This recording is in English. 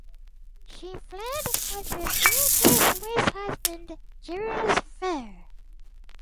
She fled with her future Swiss husband Jules Fehr.